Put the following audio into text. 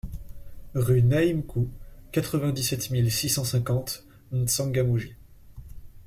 Rue Nahi Mkou, quatre-vingt-dix-sept mille six cent cinquante M'Tsangamouji